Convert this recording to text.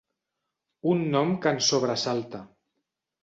Un nom que ens sobresalta.